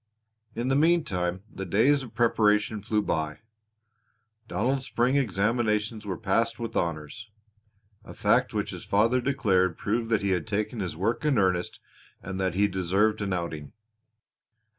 In the meantime the days of preparation flew by. Donald's spring examinations were passed with honors a fact which his father declared proved that he had taken his work in earnest and that he deserved an outing.